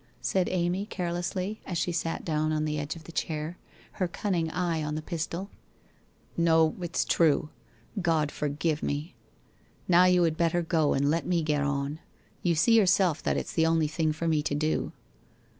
said Amy, carelessly, as she sat down on the edge of the chair, her cunning eye on the pistol. ' Xo, it's true. God forgive me. Now you had better go, and let me get on. You see yourself that it's the only thing for me to do/ ' Xot at all.